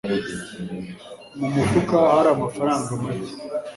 Mu mufuka hari amafaranga make.